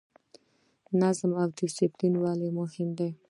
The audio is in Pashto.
نظم او ډیسپلین ولې مهم دي؟